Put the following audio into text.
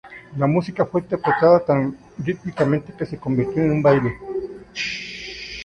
La música fue interpretada tan rítmicamente que se convirtió en un baile.